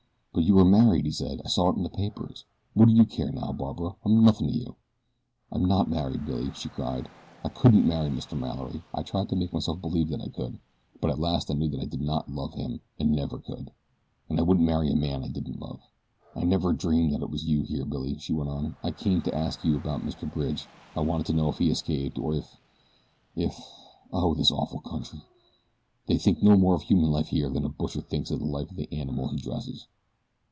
"But you are married," he said. "I saw it in the papers. What do you care, now, Barbara? I'm nothing to you." "I'm not married, Billy," she cried. "I couldn't marry Mr. Mallory. I tried to make myself believe that I could; but at last I knew that I did not love him and never could, and I wouldn't marry a man I didn't love. "I never dreamed that it was you here, Billy," she went on. "I came to ask you about Mr. Bridge. I wanted to know if he escaped, or if if oh, this awful country! They think no more of human life here than a butcher thinks of the life of the animal he dresses."